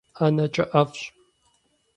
ӀэнэкӀэ ӀэфӀщ.